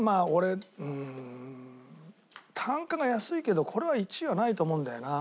うーん単価が安いけどこれは１位はないと思うんだよな。